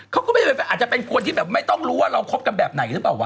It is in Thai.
เขาก็ไม่ได้อาจจะเป็นคนที่แบบไม่ต้องรู้ว่าเราคบกันแบบไหนหรือเปล่าวะ